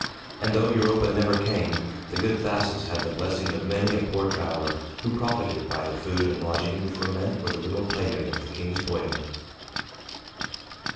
And, though Europa never came, the good Thasus had the blessings of many a poor traveler, who profited by the food and lodging which were meant for the little playmate of the king's boyhood.